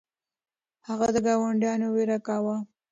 هغه د ګاونډیو ویر کاوه.